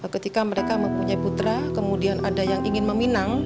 ketika mereka mempunyai putra kemudian ada yang ingin meminang